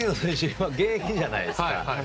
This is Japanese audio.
今、現役じゃないですか。